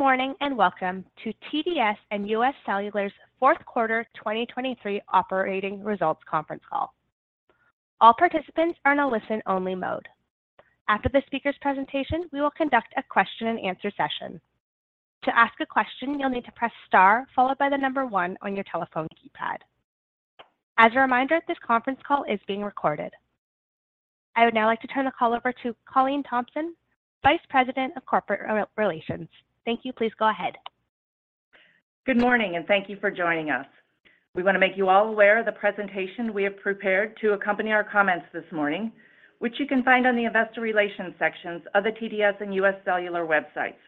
Good morning and welcome to TDS and UScellular's Fourth Quarter 2023 Operating Results Conference Call. All participants are in a listen-only mode. After the speaker's presentation, we will conduct a question-and-answer session. To ask a question, you'll need to press star followed by the number one on your telephone keypad. As a reminder, this conference call is being recorded. I would now like to turn the call over to Colleen Thompson, Vice President of Corporate Relations. Thank you. Please go ahead. Good morning, and thank you for joining us. We want to make you all aware of the presentation we have prepared to accompany our comments this morning, which you can find on the investor relations sections of the TDS and UScellular websites.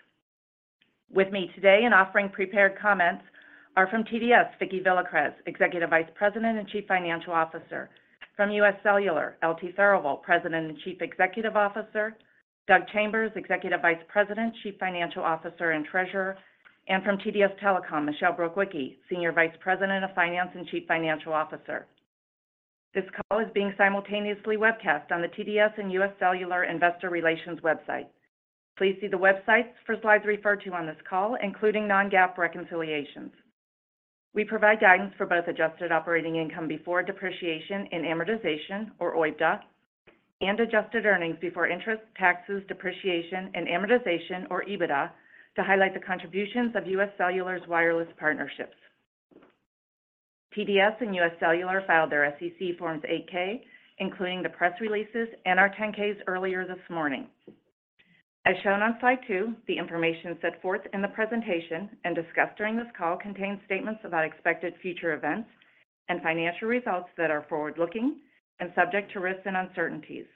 With me today and offering prepared comments are from TDS, Vicki Villacrez, Executive Vice President and Chief Financial Officer, from UScellular, LT Therivel, President and Chief Executive Officer, Doug Chambers, Executive Vice President, Chief Financial Officer and Treasurer, and from TDS Telecom, Michelle Brukwicki, Senior Vice President of Finance and Chief Financial Officer. This call is being simultaneously webcast on the TDS and UScellular investor relations website. Please see the websites for slides referred to on this call, including non-GAAP reconciliations. We provide guidance for both adjusted operating income before depreciation and amortization, or OIBDA, and adjusted earnings before interest, taxes, depreciation, and amortization, or EBITDA, to highlight the contributions of UScellular's wireless partnerships. TDS and UScellular filed their SEC Forms 8-K, including the press releases and our 10-Ks earlier this morning. As shown on slide two, the information set forth in the presentation and discussed during this call contains statements about expected future events and financial results that are forward-looking and subject to risks and uncertainties.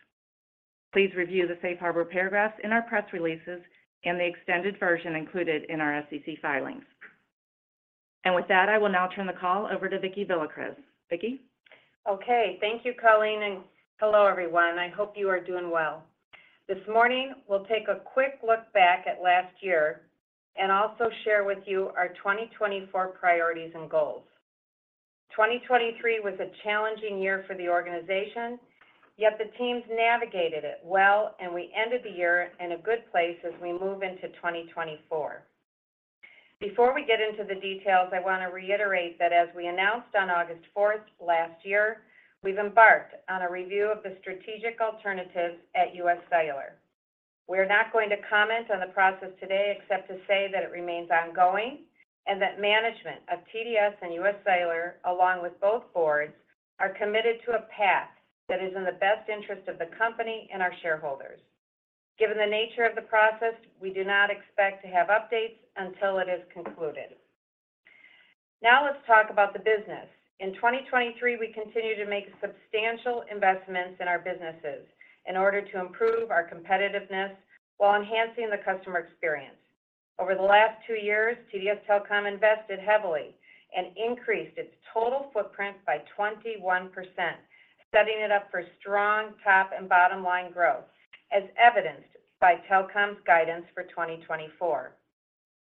Please review the safe harbor paragraphs in our press releases and the extended version included in our SEC filings. With that, I will now turn the call over to Vicki Villacrez. Vicki? Okay. Thank you, Colleen, and hello, everyone. I hope you are doing well. This morning, we'll take a quick look back at last year and also share with you our 2024 priorities and goals. 2023 was a challenging year for the organization, yet the teams navigated it well, and we ended the year in a good place as we move into 2024. Before we get into the details, I want to reiterate that as we announced on August 4th last year, we've embarked on a review of the strategic alternatives at UScellular. We are not going to comment on the process today except to say that it remains ongoing and that management of TDS and UScellular, along with both boards, are committed to a path that is in the best interest of the company and our shareholders. Given the nature of the process, we do not expect to have updates until it is concluded. Now let's talk about the business. In 2023, we continue to make substantial investments in our businesses in order to improve our competitiveness while enhancing the customer experience. Over the last two years, TDS Telecom invested heavily and increased its total footprint by 21%, setting it up for strong top and bottom line growth, as evidenced by telecom's guidance for 2024.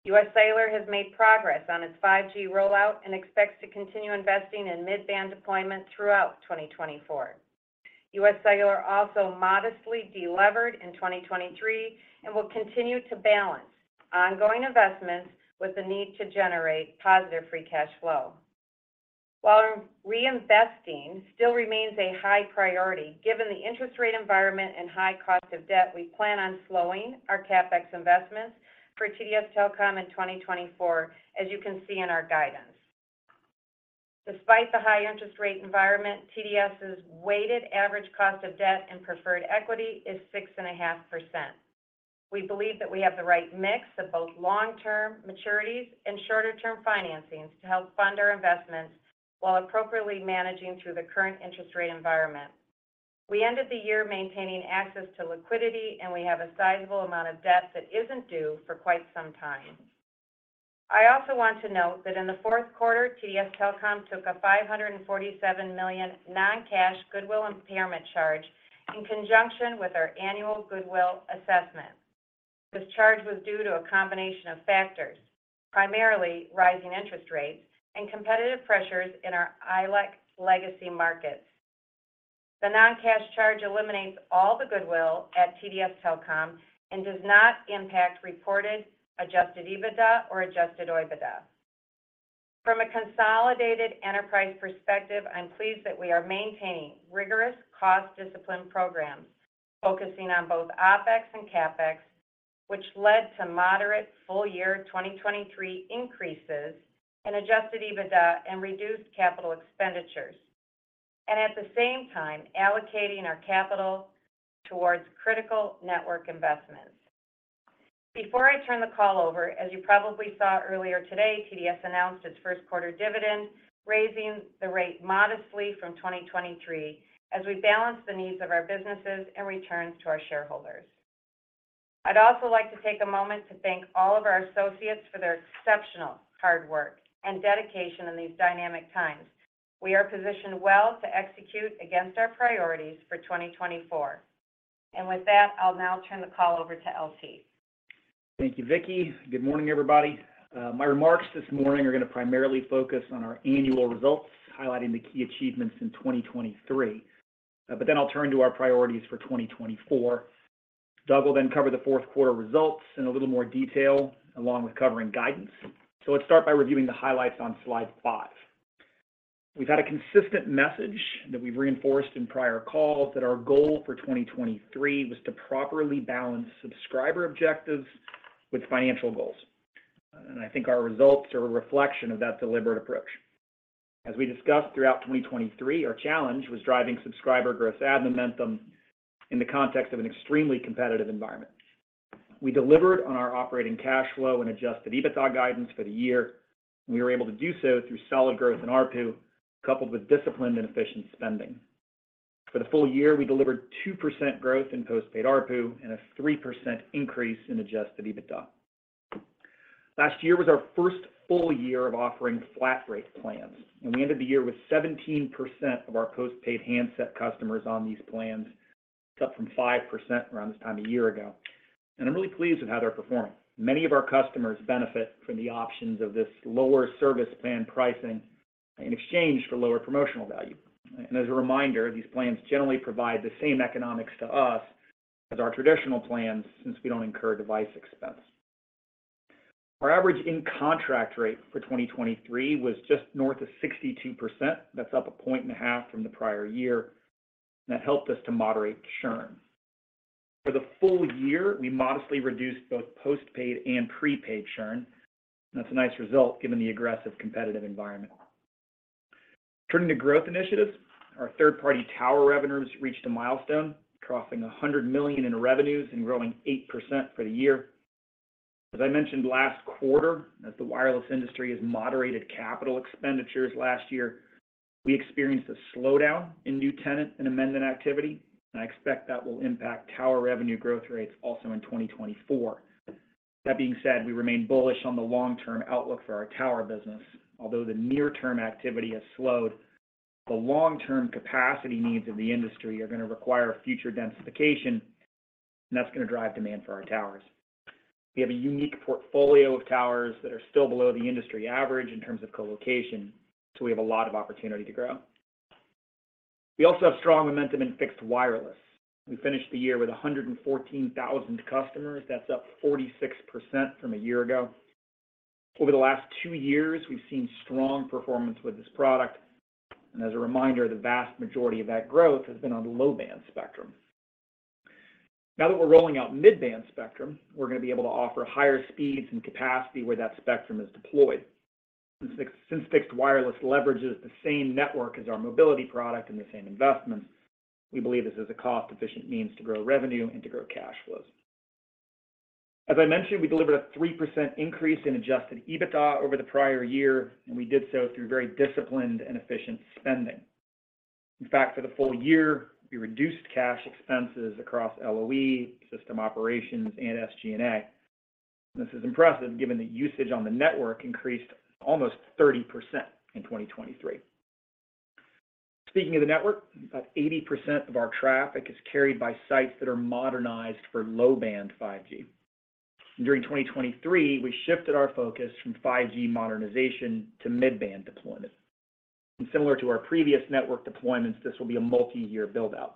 UScellular has made progress on its 5G rollout and expects to continue investing in mid-band deployment throughout 2024. UScellular also modestly delevered in 2023 and will continue to balance ongoing investments with the need to generate positive free cash flow. While reinvesting still remains a high priority, given the interest rate environment and high cost of debt, we plan on slowing our CapEx investments for TDS Telecom in 2024, as you can see in our guidance. Despite the high interest rate environment, TDS's weighted average cost of debt and preferred equity is 6.5%. We believe that we have the right mix of both long-term maturities and shorter-term financings to help fund our investments while appropriately managing through the current interest rate environment. We ended the year maintaining access to liquidity, and we have a sizable amount of debt that isn't due for quite some time. I also want to note that in the fourth quarter, TDS Telecom took a $547 million non-cash goodwill impairment charge in conjunction with our annual goodwill assessment. This charge was due to a combination of factors, primarily rising interest rates and competitive pressures in our ILEC legacy markets. The non-cash charge eliminates all the goodwill at TDS Telecom and does not impact reported adjusted EBITDA or adjusted OIBDA. From a consolidated enterprise perspective, I'm pleased that we are maintaining rigorous cost discipline programs focusing on both OpEx and CapEx, which led to moderate full-year 2023 increases in adjusted EBITDA and reduced capital expenditures, and at the same time allocating our capital towards critical network investments. Before I turn the call over, as you probably saw earlier today, TDS announced its first quarter dividend, raising the rate modestly from 2023 as we balance the needs of our businesses and returns to our shareholders. I'd also like to take a moment to thank all of our associates for their exceptional hard work and dedication in these dynamic times. We are positioned well to execute against our priorities for 2024. With that, I'll now turn the call over to L.T. Thank you, Vicki. Good morning, everybody. My remarks this morning are going to primarily focus on our annual results, highlighting the key achievements in 2023, but then I'll turn to our priorities for 2024. Doug will then cover the fourth quarter results in a little more detail along with covering guidance. So let's start by reviewing the highlights on slide five. We've had a consistent message that we've reinforced in prior calls that our goal for 2023 was to properly balance subscriber objectives with financial goals. And I think our results are a reflection of that deliberate approach. As we discussed throughout 2023, our challenge was driving subscriber growth and momentum in the context of an extremely competitive environment. We delivered on our operating cash flow and adjusted EBITDA guidance for the year. We were able to do so through solid growth in ARPU coupled with disciplined and efficient spending. For the full year, we delivered 2% growth in postpaid ARPU and a 3% increase in adjusted EBITDA. Last year was our first full year of offering flat-rate plans, and we ended the year with 17% of our postpaid handset customers on these plans, up from 5% around this time a year ago. I'm really pleased with how they're performing. Many of our customers benefit from the options of this lower service plan pricing in exchange for lower promotional value. As a reminder, these plans generally provide the same economics to us as our traditional plans since we don't incur device expense. Our average in-contract rate for 2023 was just north of 62%. That's up a point and a half from the prior year. That helped us to moderate churn. For the full year, we modestly reduced both postpaid and prepaid churn. That's a nice result given the aggressive competitive environment. Turning to growth initiatives, our third-party tower revenues reached a milestone, crossing $100 million in revenues and growing 8% for the year. As I mentioned last quarter, as the wireless industry has moderated capital expenditures last year, we experienced a slowdown in new tenant and amendment activity. I expect that will impact tower revenue growth rates also in 2024. That being said, we remain bullish on the long-term outlook for our tower business. Although the near-term activity has slowed, the long-term capacity needs of the industry are going to require future densification, and that's going to drive demand for our towers. We have a unique portfolio of towers that are still below the industry average in terms of colocation, so we have a lot of opportunity to grow. We also have strong momentum in fixed wireless. We finished the year with 114,000 customers. That's up 46% from a year ago. Over the last two years, we've seen strong performance with this product. And as a reminder, the vast majority of that growth has been on the low-band spectrum. Now that we're rolling out mid-band spectrum, we're going to be able to offer higher speeds and capacity where that spectrum is deployed. Since fixed wireless leverages the same network as our mobility product and the same investments, we believe this is a cost-efficient means to grow revenue and to grow cash flows. As I mentioned, we delivered a 3% increase in adjusted EBITDA over the prior year, and we did so through very disciplined and efficient spending. In fact, for the full year, we reduced cash expenses across LOE, system operations, and SG&A. This is impressive given that usage on the network increased almost 30% in 2023. Speaking of the network, about 80% of our traffic is carried by sites that are modernized for low-band 5G. During 2023, we shifted our focus from 5G modernization to mid-band deployment. Similar to our previous network deployments, this will be a multi-year buildout.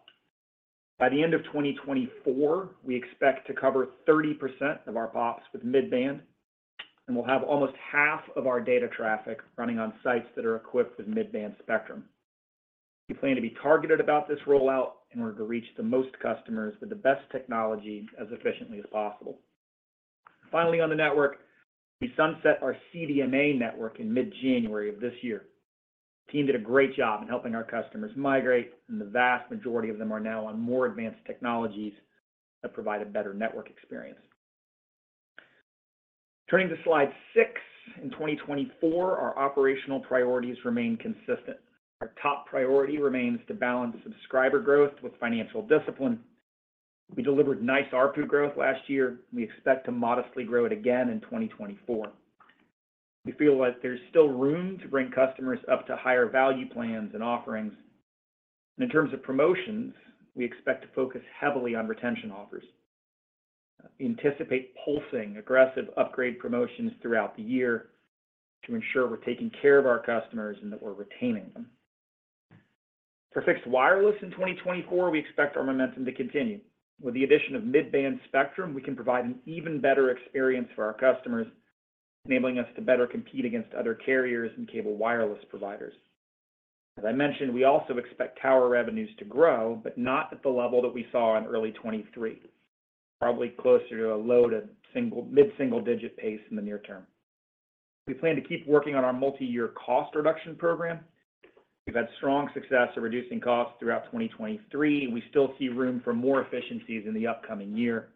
By the end of 2024, we expect to cover 30% of our POPs with mid-band, and we'll have almost half of our data traffic running on sites that are equipped with mid-band spectrum. We plan to be targeted about this rollout in order to reach the most customers with the best technology as efficiently as possible. Finally, on the network, we sunset our CDMA network in mid-January of this year. The team did a great job in helping our customers migrate, and the vast majority of them are now on more advanced technologies that provide a better network experience. Turning to slide six, in 2024, our operational priorities remain consistent. Our top priority remains to balance subscriber growth with financial discipline. We delivered nice ARPU growth last year. We expect to modestly grow it again in 2024. We feel like there's still room to bring customers up to higher value plans and offerings. In terms of promotions, we expect to focus heavily on retention offers. We anticipate pulsing, aggressive upgrade promotions throughout the year to ensure we're taking care of our customers and that we're retaining them. For fixed wireless in 2024, we expect our momentum to continue. With the addition of mid-band spectrum, we can provide an even better experience for our customers, enabling us to better compete against other carriers and cable wireless providers. As I mentioned, we also expect tower revenues to grow, but not at the level that we saw in early 2023, probably closer to a low to mid-single-digit pace in the near term. We plan to keep working on our multi-year cost reduction program. We've had strong success in reducing costs throughout 2023. We still see room for more efficiencies in the upcoming year.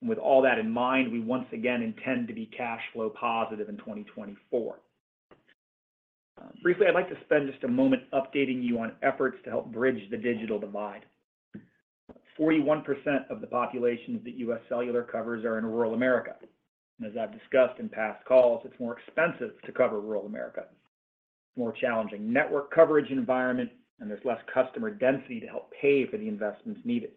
And with all that in mind, we once again intend to be cash flow positive in 2024. Briefly, I'd like to spend just a moment updating you on efforts to help bridge the digital divide. 41% of the populations that UScellular covers are in rural America. And as I've discussed in past calls, it's more expensive to cover rural America. It's more challenging network coverage environment, and there's less customer density to help pay for the investments needed.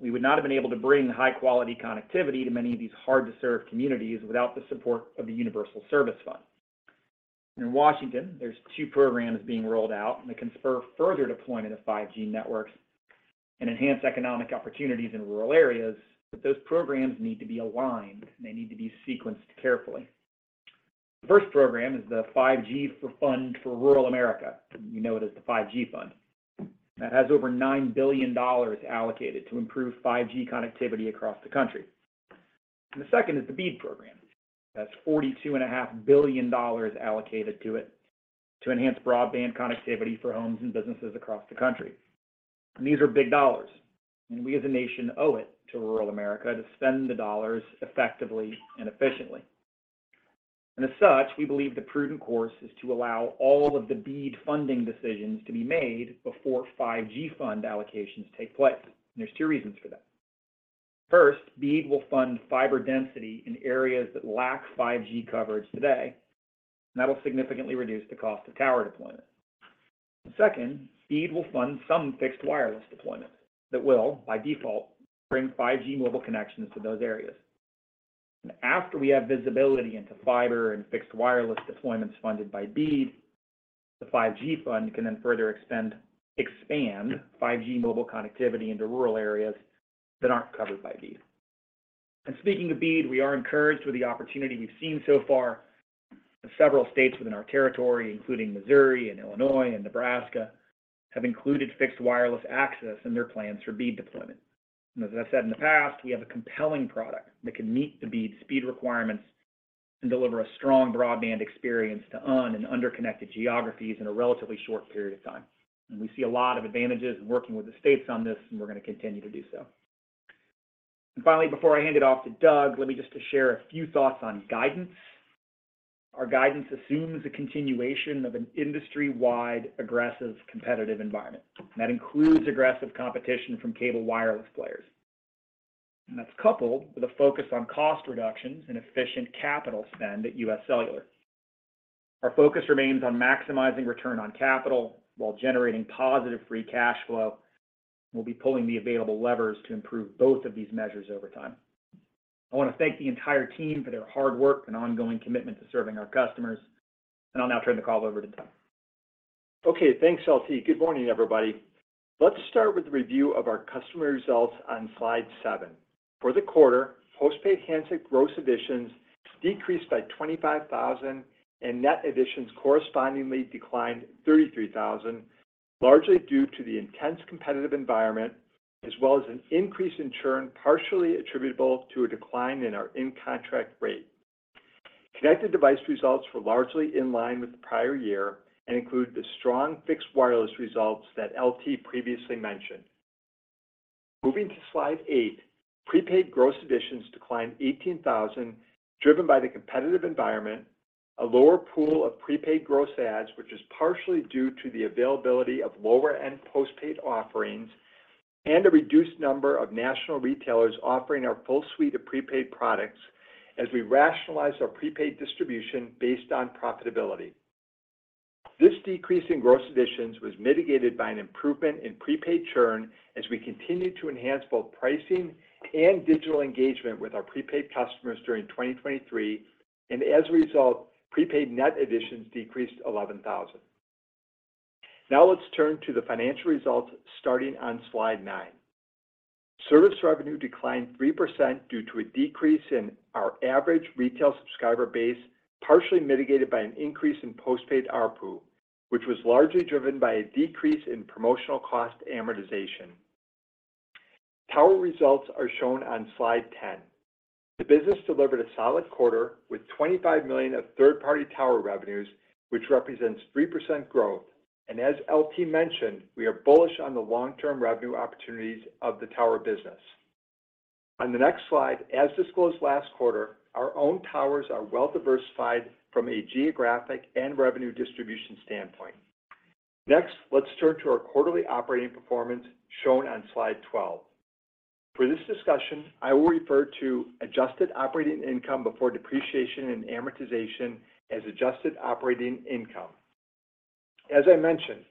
We would not have been able to bring high-quality connectivity to many of these hard-to-serve communities without the support of the Universal Service Fund. In Washington, there's two programs being rolled out that can spur further deployment of 5G networks and enhance economic opportunities in rural areas, but those programs need to be aligned, and they need to be sequenced carefully. The first program is the 5G Fund for Rural America. You know it as the 5G Fund. That has over $9 billion allocated to improve 5G connectivity across the country. The second is the BEAD program. That's $42.5 billion allocated to it to enhance broadband connectivity for homes and businesses across the country. These are big dollars. We as a nation owe it to rural America to spend the dollars effectively and efficiently. As such, we believe the prudent course is to allow all of the BEAD funding decisions to be made before 5G Fund allocations take place. There's two reasons for that. First, BEAD will fund fiber density in areas that lack 5G coverage today, and that'll significantly reduce the cost of tower deployment. Second, BEAD will fund some fixed wireless deployment that will, by default, bring 5G mobile connections to those areas. After we have visibility into fiber and fixed wireless deployments funded by BEAD, the 5G Fund can then further expand 5G mobile connectivity into rural areas that aren't covered by BEAD. Speaking of BEAD, we are encouraged with the opportunity we've seen so far. Several states within our territory, including Missouri, Illinois, and Nebraska, have included fixed wireless access in their plans for BEAD deployment. As I've said in the past, we have a compelling product that can meet the BEAD speed requirements and deliver a strong broadband experience to un- and underconnected geographies in a relatively short period of time. We see a lot of advantages in working with the states on this, and we're going to continue to do so. Finally, before I hand it off to Doug, let me just share a few thoughts on guidance. Our guidance assumes a continuation of an industry-wide aggressive competitive environment. That includes aggressive competition from cable wireless players. That's coupled with a focus on cost reductions and efficient capital spend at UScellular. Our focus remains on maximizing return on capital while generating positive free cash flow. We'll be pulling the available levers to improve both of these measures over time. I want to thank the entire team for their hard work and ongoing commitment to serving our customers. I'll now turn the call over to Doug. Okay. Thanks, L.T. Good morning, everybody. Let's start with the review of our customer results on slide seven. For the quarter, postpaid handset gross additions decreased by 25,000, and net additions correspondingly declined 33,000, largely due to the intense competitive environment as well as an increase in churn partially attributable to a decline in our in-contract rate. Connected device results were largely in line with the prior year and include the strong fixed wireless results that LT previously mentioned. Moving to slide eight, prepaid gross additions declined 18,000 driven by the competitive environment, a lower pool of prepaid gross adds, which is partially due to the availability of lower-end postpaid offerings, and a reduced number of national retailers offering our full suite of prepaid products as we rationalized our prepaid distribution based on profitability. This decrease in gross additions was mitigated by an improvement in prepaid churn as we continued to enhance both pricing and digital engagement with our prepaid customers during 2023. As a result, prepaid net additions decreased 11,000. Now let's turn to the financial results starting on slide nine. Service revenue declined 3% due to a decrease in our average retail subscriber base, partially mitigated by an increase in postpaid ARPU, which was largely driven by a decrease in promotional cost amortization. Tower results are shown on slide 10. The business delivered a solid quarter with $25 million of third-party tower revenues, which represents 3% growth. As LT mentioned, we are bullish on the long-term revenue opportunities of the tower business. On the next slide, as disclosed last quarter, our own towers are well-diversified from a geographic and revenue distribution standpoint. Next, let's turn to our quarterly operating performance shown on slide 12. For this discussion, I will refer to adjusted operating income before depreciation and amortization as adjusted operating income. As I mentioned,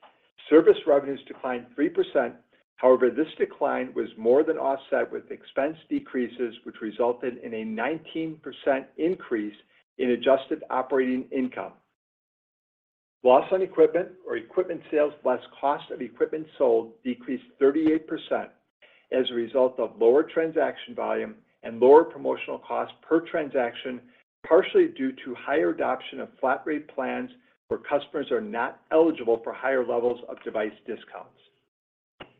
service revenues declined 3%. However, this decline was more than offset with expense decreases, which resulted in a 19% increase in adjusted operating income. Loss on equipment or equipment sales, less cost of equipment sold, decreased 38% as a result of lower transaction volume and lower promotional cost per transaction, partially due to higher adoption of flat-rate plans where customers are not eligible for higher levels of device discounts.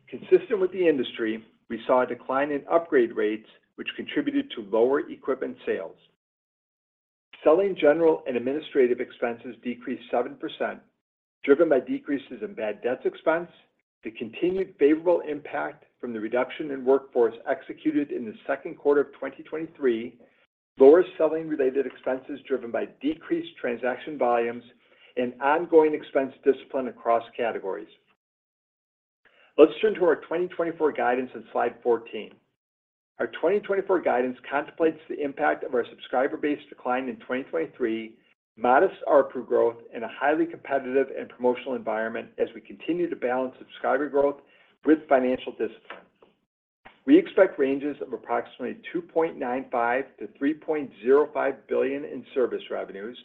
Consistent with the industry, we saw a decline in upgrade rates, which contributed to lower equipment sales. Selling general and administrative expenses decreased 7% driven by decreases in bad debt expense. The continued favorable impact from the reduction in workforce executed in the second quarter of 2023 lowers selling-related expenses driven by decreased transaction volumes and ongoing expense discipline across categories. Let's turn to our 2024 guidance on slide 14. Our 2024 guidance contemplates the impact of our subscriber base decline in 2023, modest ARPU growth, and a highly competitive and promotional environment as we continue to balance subscriber growth with financial discipline. We expect ranges of approximately $2.95 billion-$3.05 billion in service revenues,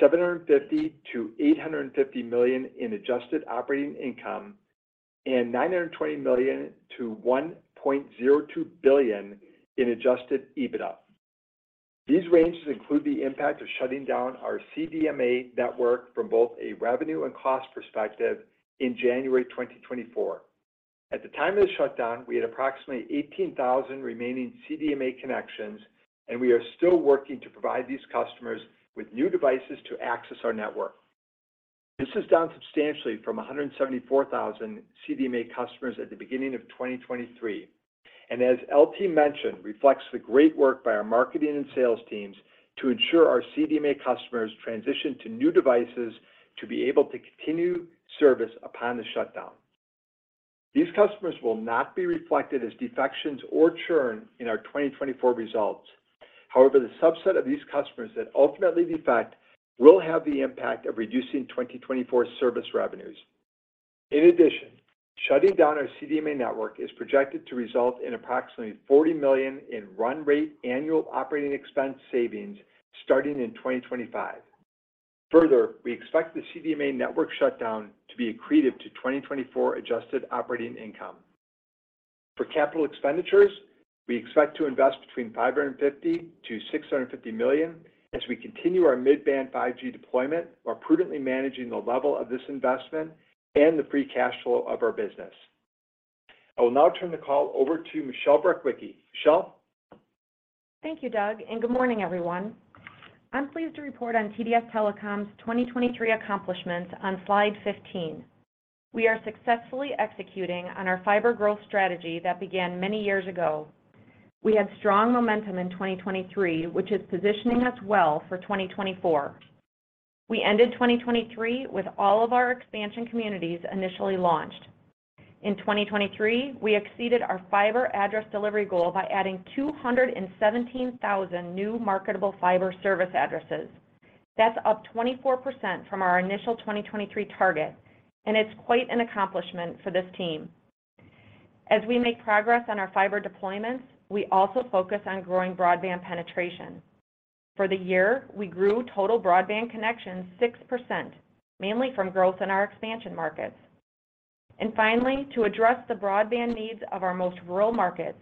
$750 million-$850 million in adjusted operating income, and $920 million-$1.02 billion in adjusted EBITDA. These ranges include the impact of shutting down our CDMA network from both a revenue and cost perspective in January 2024. At the time of the shutdown, we had approximately 18,000 remaining CDMA connections, and we are still working to provide these customers with new devices to access our network. This is down substantially from 174,000 CDMA customers at the beginning of 2023. And as LT mentioned, reflects the great work by our marketing and sales teams to ensure our CDMA customers transition to new devices to be able to continue service upon the shutdown. These customers will not be reflected as defections or churn in our 2024 results. However, the subset of these customers that ultimately defect will have the impact of reducing 2024 service revenues. In addition, shutting down our CDMA network is projected to result in approximately $40 million in run-rate annual operating expense savings starting in 2025. Further, we expect the CDMA network shutdown to be accretive to 2024 adjusted operating income. For capital expenditures, we expect to invest between $550 million-$650 million as we continue our mid-band 5G deployment while prudently managing the level of this investment and the free cash flow of our business. I will now turn the call over to Michelle Brukwicki. Michelle? Thank you, Doug. Good morning, everyone. I'm pleased to report on TDS Telecom's 2023 accomplishments on slide 15. We are successfully executing on our fiber growth strategy that began many years ago. We had strong momentum in 2023, which is positioning us well for 2024. We ended 2023 with all of our expansion communities initially launched. In 2023, we exceeded our fiber address delivery goal by adding 217,000 new marketable fiber service addresses. That's up 24% from our initial 2023 target, and it's quite an accomplishment for this team. As we make progress on our fiber deployments, we also focus on growing broadband penetration. For the year, we grew total broadband connections 6%, mainly from growth in our expansion markets. Finally, to address the broadband needs of our most rural markets,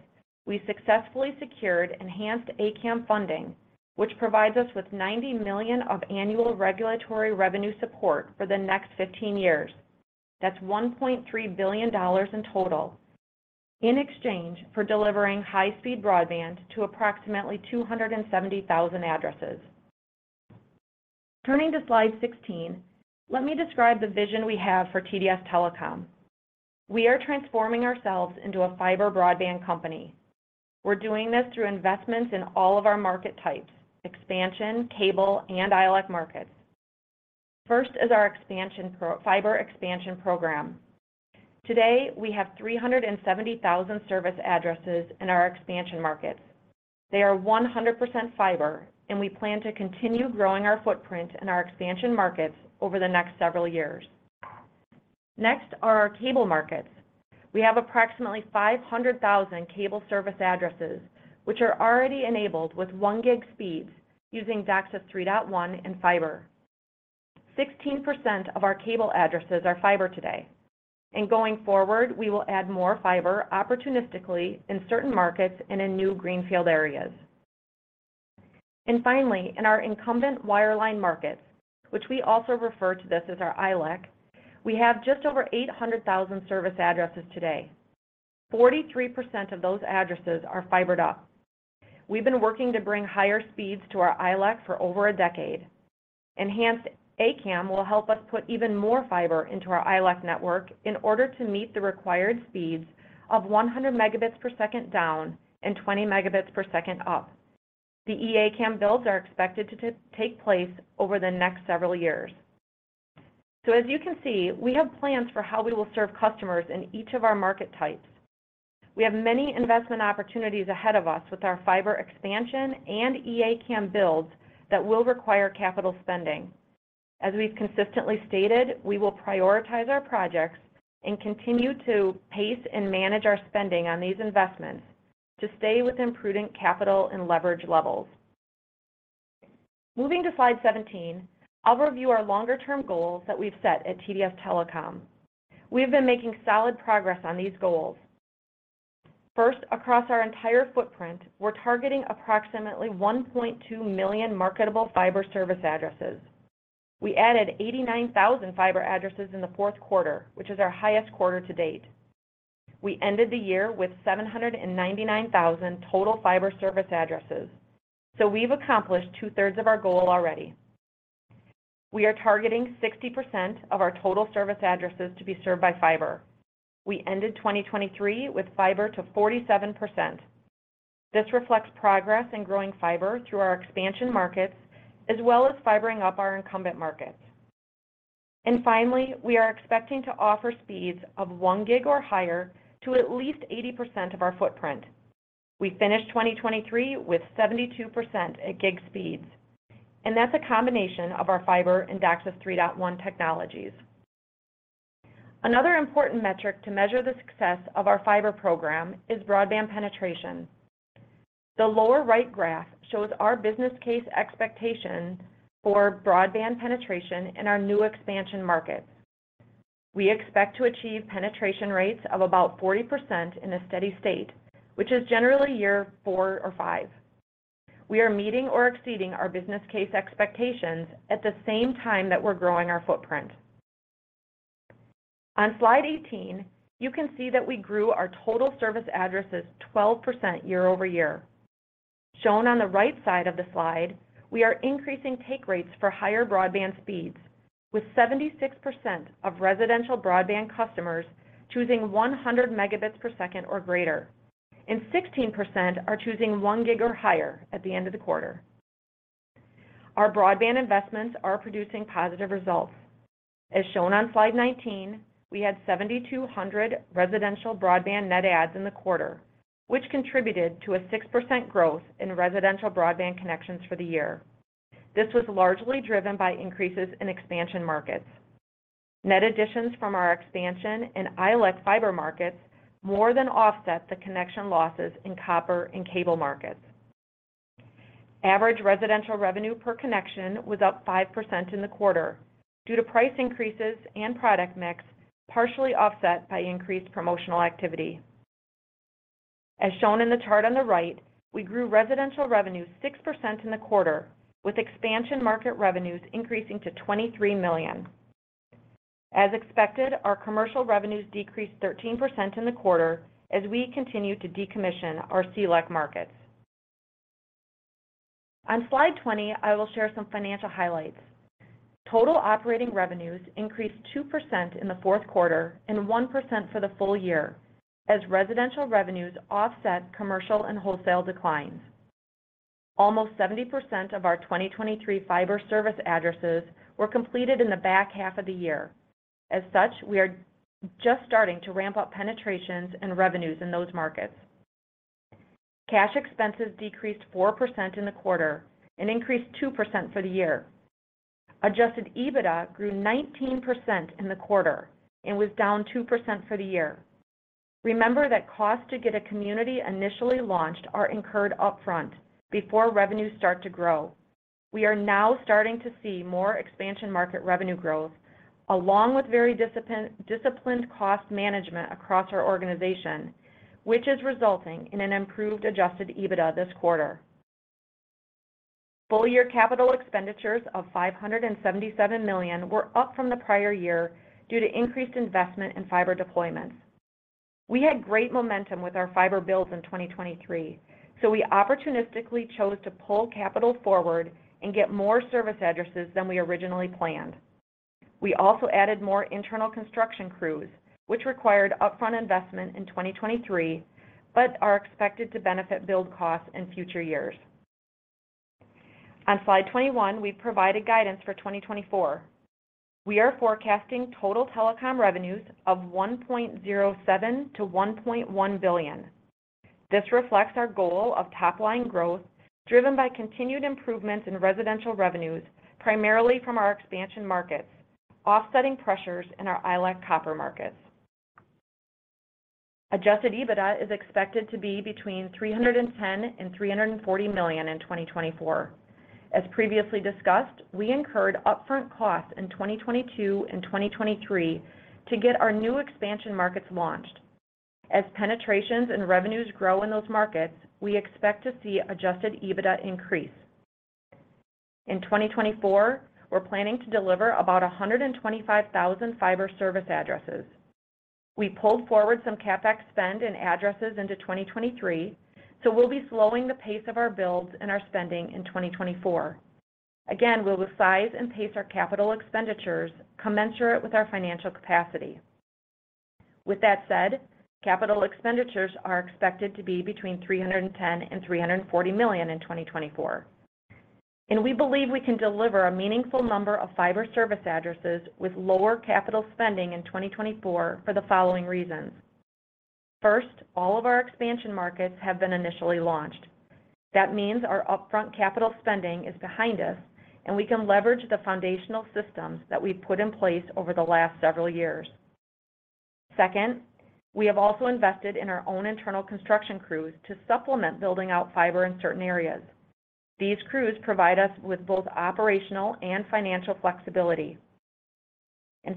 we successfully secured Enhanced ACAM funding, which provides us with $90 million of annual regulatory revenue support for the next 15 years. That's $1.3 billion in total, in exchange for delivering high-speed broadband to approximately 270,000 addresses. Turning to slide 16, let me describe the vision we have for TDS Telecom. We are transforming ourselves into a fiber broadband company. We're doing this through investments in all of our market types: expansion, cable, and ILEC markets. First is our fiber expansion program. Today, we have 370,000 service addresses in our expansion markets. They are 100% fiber, and we plan to continue growing our footprint in our expansion markets over the next several years. Next are our cable markets. We have approximately 500,000 cable service addresses, which are already enabled with 1Gb speeds using DOCSIS 3.1 and fiber. 16% of our cable addresses are fiber today. Going forward, we will add more fiber opportunistically in certain markets and in new greenfield areas. Finally, in our incumbent wireline markets, which we also refer to this as our ILEC, we have just over 800,000 service addresses today. 43% of those addresses are fibered up. We've been working to bring higher speeds to our ILEC for over a decade. Enhanced ACAM will help us put even more fiber into our ILEC network in order to meet the required speeds of 100 Mbps down and 20 Mbps up. The EACAM builds are expected to take place over the next several years. So as you can see, we have plans for how we will serve customers in each of our market types. We have many investment opportunities ahead of us with our fiber expansion and EACAM builds that will require capital spending. As we've consistently stated, we will prioritize our projects and continue to pace and manage our spending on these investments to stay within prudent capital and leverage levels. Moving to slide 17, I'll review our longer-term goals that we've set at TDS Telecom. We have been making solid progress on these goals. First, across our entire footprint, we're targeting approximately 1.2 million marketable fiber service addresses. We added 89,000 fiber addresses in the fourth quarter, which is our highest quarter to date. We ended the year with 799,000 total fiber service addresses. So we've accomplished two-thirds of our goal already. We are targeting 60% of our total service addresses to be served by fiber. We ended 2023 with fiber to 47%. This reflects progress in growing fiber through our expansion markets as well as fibering up our incumbent markets. And finally, we are expecting to offer speeds of 1Gb or higher to at least 80% of our footprint. We finished 2023 with 72% at gig speeds. And that's a combination of our fiber and DOCSIS 3.1 technologies. Another important metric to measure the success of our fiber program is broadband penetration. The lower right graph shows our business case expectation for broadband penetration in our new expansion markets. We expect to achieve penetration rates of about 40% in a steady state, which is generally year four or five. We are meeting or exceeding our business case expectations at the same time that we're growing our footprint. On slide 18, you can see that we grew our total service addresses 12% year-over-year. Shown on the right side of the slide, we are increasing take rates for higher broadband speeds, with 76% of residential broadband customers choosing 100 Mbps or greater, and 16% are choosing 1 Gbps or higher at the end of the quarter. Our broadband investments are producing positive results. As shown on slide 19, we had 7,200 residential broadband net adds in the quarter, which contributed to a 6% growth in residential broadband connections for the year. This was largely driven by increases in expansion markets. Net additions from our expansion and ILEC fiber markets more than offset the connection losses in copper and cable markets. Average residential revenue per connection was up 5% in the quarter due to price increases and product mix partially offset by increased promotional activity. As shown in the chart on the right, we grew residential revenue 6% in the quarter, with expansion market revenues increasing to $23 million. As expected, our commercial revenues decreased 13% in the quarter as we continue to decommission our CLEC markets. On Slide 20, I will share some financial highlights. Total operating revenues increased 2% in the fourth quarter and 1% for the full year as residential revenues offset commercial and wholesale declines. Almost 70% of our 2023 fiber service addresses were completed in the back half of the year. As such, we are just starting to ramp up penetrations and revenues in those markets. Cash expenses decreased 4% in the quarter and increased 2% for the year. Adjusted EBITDA grew 19% in the quarter and was down 2% for the year. Remember that costs to get a community initially launched are incurred upfront before revenues start to grow. We are now starting to see more expansion market revenue growth along with very disciplined cost management across our organization, which is resulting in an improved Adjusted EBITDA this quarter. Full-year capital expenditures of $577 million were up from the prior year due to increased investment in fiber deployments. We had great momentum with our fiber builds in 2023, so we opportunistically chose to pull capital forward and get more service addresses than we originally planned. We also added more internal construction crews, which required upfront investment in 2023 but are expected to benefit build costs in future years. On slide 21, we provided guidance for 2024. We are forecasting total telecom revenues of $1.07 billion-$1.1 billion. This reflects our goal of top-line growth driven by continued improvements in residential revenues, primarily from our expansion markets, offsetting pressures in our ILEC copper markets. Adjusted EBITDA is expected to be between $310 million-$340 million in 2024. As previously discussed, we incurred upfront costs in 2022 and 2023 to get our new expansion markets launched. As penetrations and revenues grow in those markets, we expect to see adjusted EBITDA increase. In 2024, we're planning to deliver about 125,000 fiber service addresses. We pulled forward some CapEx spend in addresses into 2023, so we'll be slowing the pace of our builds and our spending in 2024. Again, we'll size and pace our capital expenditures, commensurate with our financial capacity. With that said, capital expenditures are expected to be between $310 million-$340 million in 2024. And we believe we can deliver a meaningful number of fiber service addresses with lower capital spending in 2024 for the following reasons. First, all of our expansion markets have been initially launched. That means our upfront capital spending is behind us, and we can leverage the foundational systems that we've put in place over the last several years. Second, we have also invested in our own internal construction crews to supplement building out fiber in certain areas. These crews provide us with both operational and financial flexibility.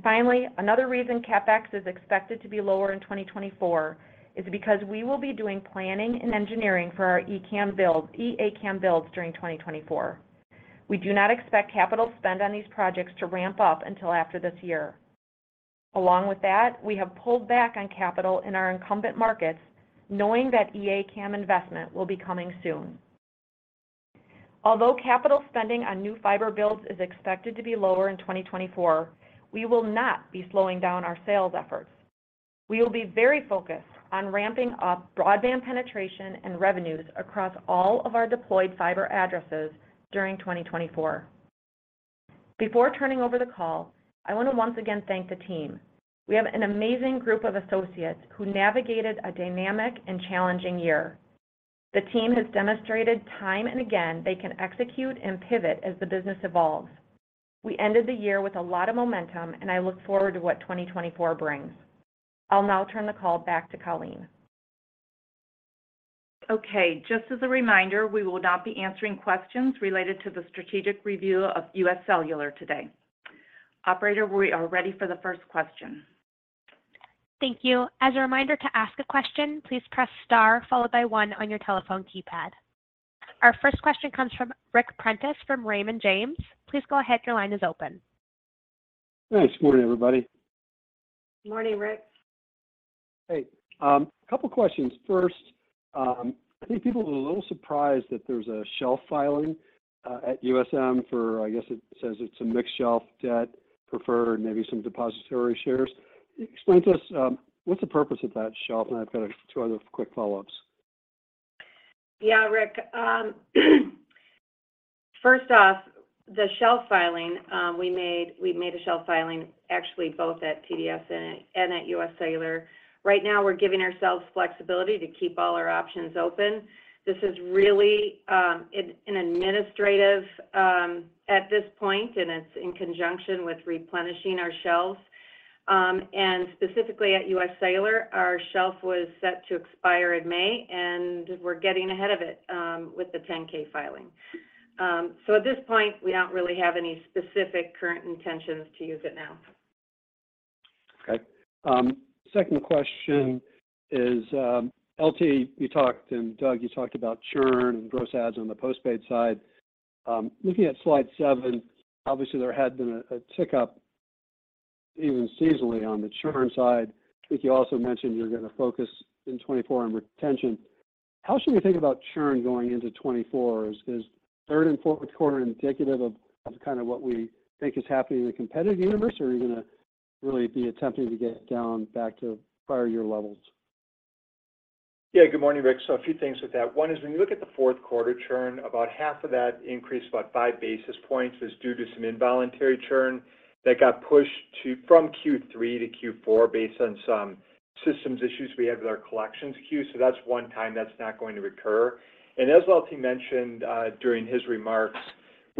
Finally, another reason CapEx is expected to be lower in 2024 is because we will be doing planning and engineering for our EACAM builds during 2024. We do not expect capital spend on these projects to ramp up until after this year. Along with that, we have pulled back on capital in our incumbent markets, knowing that EACAM investment will be coming soon. Although capital spending on new fiber builds is expected to be lower in 2024, we will not be slowing down our sales efforts. We will be very focused on ramping up broadband penetration and revenues across all of our deployed fiber addresses during 2024. Before turning over the call, I want to once again thank the team. We have an amazing group of associates who navigated a dynamic and challenging year. The team has demonstrated time and again they can execute and pivot as the business evolves. We ended the year with a lot of momentum, and I look forward to what 2024 brings. I'll now turn the call back to Colleen. Okay. Just as a reminder, we will not be answering questions related to the strategic review of UScellular today. Operator, we are ready for the first question. Thank you. As a reminder to ask a question, please press star followed by one on your telephone keypad. Our first question comes from Ric Prentiss from Raymond James. Please go ahead. Your line is open. Hi. Good morning, everybody. Morning, Ric. Hey. A couple of questions. First, I think people are a little surprised that there's a shelf filing at USM for I guess it says it's a mixed shelf. Debt, preferred maybe some depository shares. Explain to us what's the purpose of that shelf, and I've got two other quick follow-ups. Yeah, Ric. First off, the shelf filing, we made a shelf filing actually both at TDS and at UScellular. Right now, we're giving ourselves flexibility to keep all our options open. This is really an administrative at this point, and it's in conjunction with replenishing our shelves. And specifically at UScellular, our shelf was set to expire in May, and we're getting ahead of it with the 10-K filing. So at this point, we don't really have any specific current intentions to use it now. Okay. Second question is LT, you talked and Doug, you talked about churn and gross adds on the postpaid side. Looking at slide seven, obviously, there had been a tick-up even seasonally on the churn side. Vicki, you also mentioned you're going to focus in 2024 on retention. How should we think about churn going into 2024? Is third and fourth quarter indicative of kind of what we think is happening in the competitive universe, or are you going to really be attempting to get down back to prior year levels? Yeah. Good morning, Rick. So a few things with that. One is when you look at the fourth quarter churn, about half of that increased, about five basis points, was due to some involuntary churn that got pushed from Q3 to Q4 based on some systems issues we had with our collections queue. So that's one time that's not going to recur. And as LT mentioned during his remarks,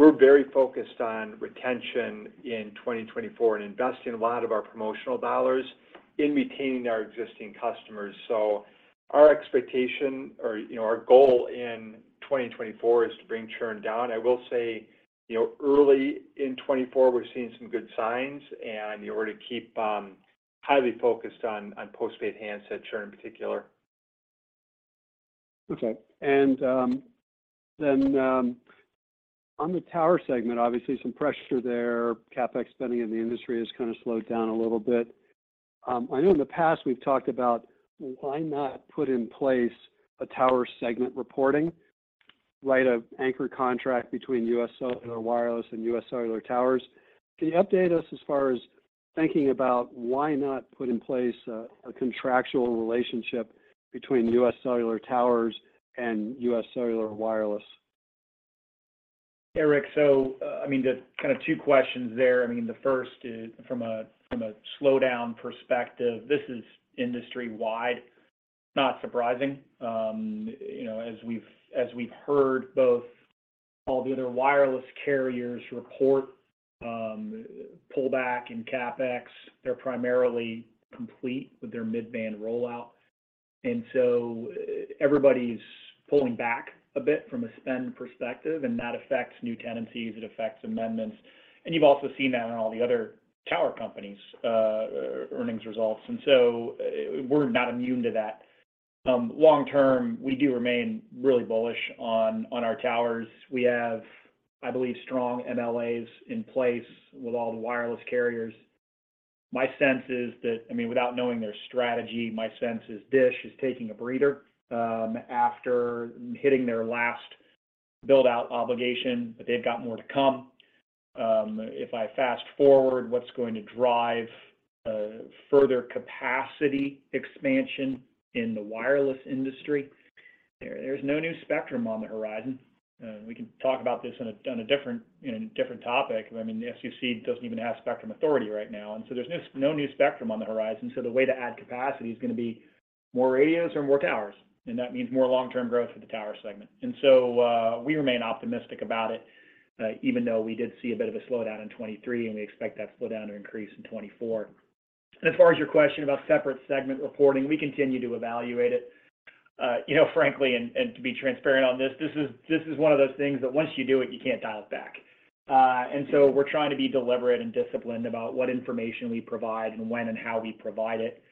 we're very focused on retention in 2024 and investing a lot of our promotional dollars in retaining our existing customers. So our expectation or our goal in 2024 is to bring churn down. I will say early in 2024, we're seeing some good signs, and you already keep highly focused on postpaid handset churn in particular. Okay. And then on the tower segment, obviously, some pressure there. CapEx spending in the industry has kind of slowed down a little bit. I know in the past, we've talked about why not put in place a tower segment reporting, right an anchor contract between UScellular Wireless and UScellular Towers. Can you update us as far as thinking about why not put in place a contractual relationship between UScellular Towers and UScellular Wireless? Yeah, Ric. So I mean, kind of two questions there. I mean, the first is from a slowdown perspective, this is industry-wide. Not surprising. As we've heard, both all the other wireless carriers report pullback in CapEx. They're primarily complete with their mid-band rollout. And so everybody's pulling back a bit from a spend perspective, and that affects new tenancies. It affects amendments. And you've also seen that in all the other tower companies' earnings results. And so we're not immune to that. Long term, we do remain really bullish on our towers. We have, I believe, strong MLAs in place with all the wireless carriers. My sense is that I mean, without knowing their strategy, my sense is DISH is taking a breather after hitting their last build-out obligation, but they've got more to come. If I fast-forward, what's going to drive further capacity expansion in the wireless industry? There's no new spectrum on the horizon. We can talk about this on a different topic. I mean, the SEC doesn't even have spectrum authority right now. And so there's no new spectrum on the horizon. So the way to add capacity is going to be more radios or more towers. And that means more long-term growth for the tower segment. And so we remain optimistic about it, even though we did see a bit of a slowdown in 2023, and we expect that slowdown to increase in 2024. And as far as your question about separate segment reporting, we continue to evaluate it. Frankly, and to be transparent on this, this is one of those things that once you do it, you can't dial it back. And so we're trying to be deliberate and disciplined about what information we provide and when and how we provide it.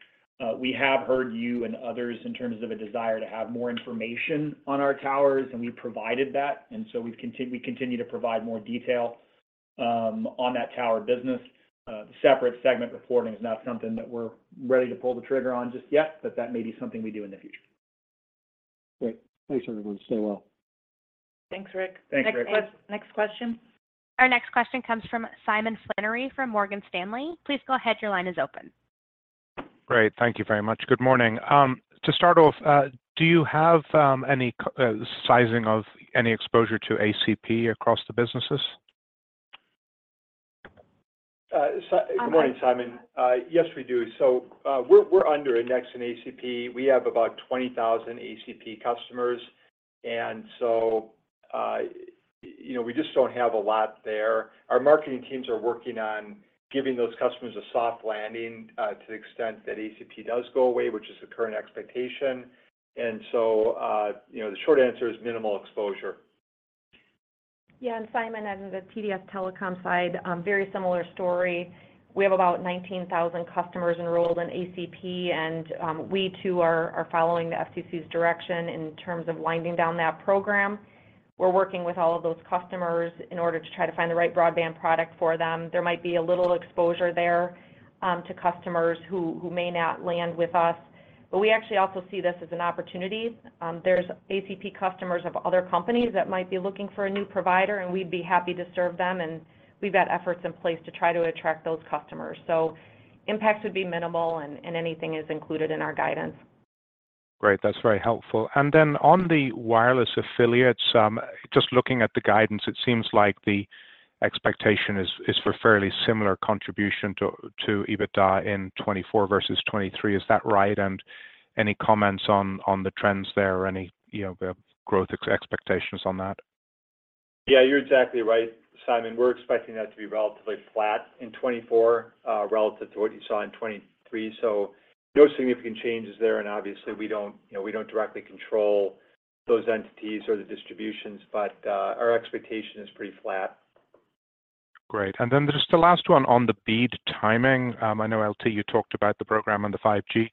We have heard you and others in terms of a desire to have more information on our towers, and we provided that. So we continue to provide more detail on that tower business. Separate segment reporting is not something that we're ready to pull the trigger on just yet, but that may be something we do in the future. Great. Thanks, everyone. Stay well. Thanks, Ric. Next question? Our next question comes from Simon Flannery from Morgan Stanley. Please go ahead. Your line is open. Great. Thank you very much. Good morning. To start off, do you have any sizing of any exposure to ACP across the businesses? Good morning, Simon. Yes, we do. So we're [under and next] in ACP. We have about 20,000 ACP customers. So we just don't have a lot there. Our marketing teams are working on giving those customers a soft landing to the extent that ACP does go away, which is the current expectation. And so the short answer is minimal exposure. Yeah. And Simon, on the TDS Telecom side, very similar story. We have about 19,000 customers enrolled in ACP, and we, too, are following the FCC's direction in terms of winding down that program. We're working with all of those customers in order to try to find the right broadband product for them. There might be a little exposure there to customers who may not land with us. But we actually also see this as an opportunity. There's ACP customers of other companies that might be looking for a new provider, and we'd be happy to serve them. And we've got efforts in place to try to attract those customers. So impacts would be minimal, and anything is included in our guidance. Great. That's very helpful. And then on the wireless affiliates, just looking at the guidance, it seems like the expectation is for fairly similar contribution to EBITDA in 2024 versus 2023. Is that right? And any comments on the trends there or any growth expectations on that? Yeah. You're exactly right, Simon. We're expecting that to be relatively flat in 2024 relative to what you saw in 2023. So no significant changes there. And obviously, we don't directly control those entities or the distributions, but our expectation is pretty flat. Great. And then just the last one on the BEAD timing. I know, LT, you talked about the program on the 5G.